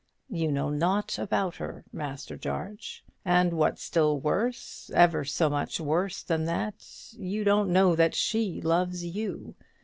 You know naught about her, Master Jarge; and what's still worse ever so much worse than that you don't know that she loves you.